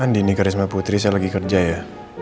andi nih karisma putri saya lagi kerja ya